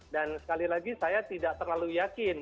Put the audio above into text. dan sekali lagi saya tidak terlalu yakin